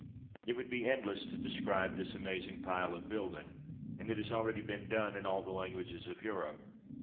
It would be endless to describe this amazing pile of building ; and it has already been done in all the languages of Europe.